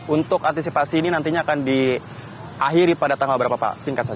untuk antisipasi ini nantinya akan diakhiri pada tanggal berapa pak singkat saja